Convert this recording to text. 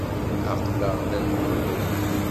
Aql-aɣ la nlemmed.